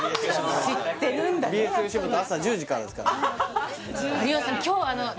朝１０時からですから有吉さん